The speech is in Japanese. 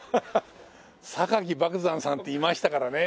莫山さんっていましたからねえ。